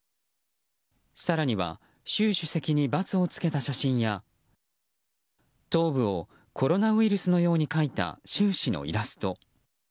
更には習主席にバツを付けた写真や頭部をコロナウイルスのように描いた、習氏のイラスト。